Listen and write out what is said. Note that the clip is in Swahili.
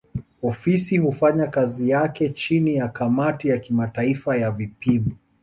Ofisi hufanya kazi yake chini ya kamati ya kimataifa ya vipimo.